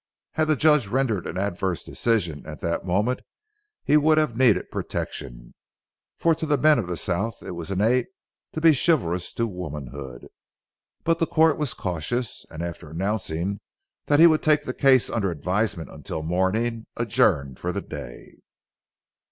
Had the judge rendered an adverse decision at that moment, he would have needed protection; for to the men of the South it was innate to be chivalrous to womanhood. But the court was cautious, and after announcing that he would take the case under advisement until morning, adjourned for the day.